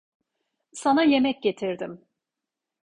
Sana yemek getirdim.